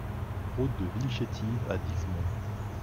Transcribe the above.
Route de Villechétive à Dixmont